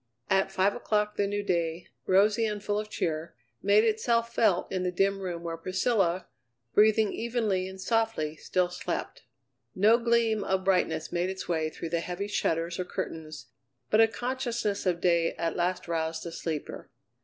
At five o'clock the new day, rosy and full of cheer, made itself felt in the dim room where Priscilla, breathing evenly and softly, still slept. No gleam of brightness made its way through the heavy shutters or curtains, but a consciousness of day at last roused the sleeper.